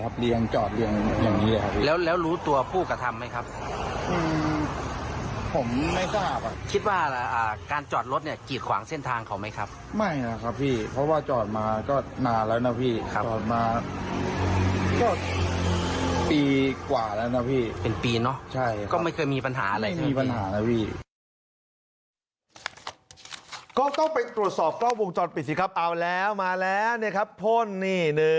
เป็นปีเนอะก็ไม่เคยมีปัญหาอะไร